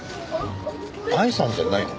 愛さんじゃないの？